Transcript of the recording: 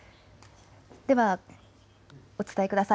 お伝えください。